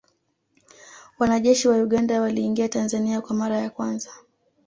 Wanajeshi wa Uganda waliingia Tanzania kwa mara ya kwanza